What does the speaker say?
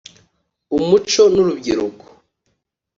umuco n’urubyiruko